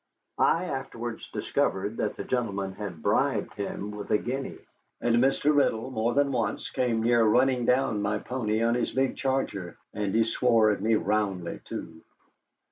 I afterwards discovered that the gentleman had bribed him with a guinea. And Mr. Riddle more than once came near running down my pony on his big charger, and he swore at me roundly, too.